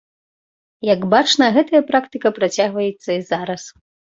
Як бачна, гэтая практыка працягваецца і зараз.